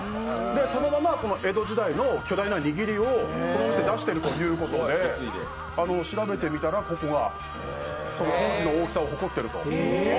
そのまま江戸時代の巨大な握りをこの店で出してるということで調べてみたら、ここがその大きさを誇ってると。